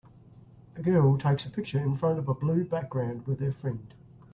A girl takes a picture in front of a blue background with her friend.